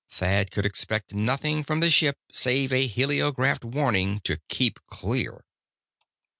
Thad could expect nothing from the ship save a heliographed warning to keep clear.